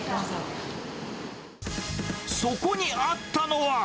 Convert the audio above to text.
そこにあったのは。